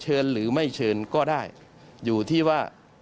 หรือไม่เชิญก็ได้อยู่ที่ว่า